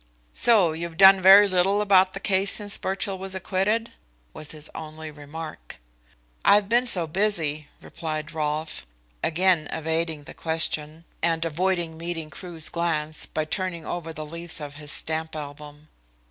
"So you've done very little about the case since Birchill was acquitted?" was his only remark. "I've been so busy," replied Rolfe, again evading the question, and avoiding meeting Crewe's glance by turning over the leaves of his stamp album.